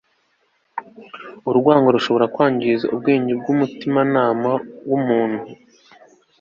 urwango rushobora kwangiza ubwenge n'umutimanama w'umuntu